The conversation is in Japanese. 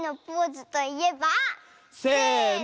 せの。